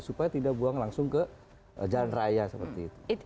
supaya tidak buang langsung ke jalan raya seperti itu